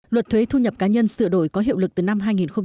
luật thuế thu nhập cá nhân sửa đổi có hiệu lực từ năm hai nghìn một mươi